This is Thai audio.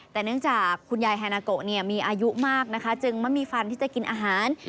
แต่เนื่องจากคุณยายฮานาโกมีอายุมากนะคะจึงไม่มีฟันที่จะกินอาหาร